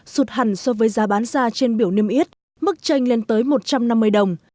sụt hẳn so với giá bán ra trên biểu niêm yết mức tranh lên tới một trăm năm mươi đồng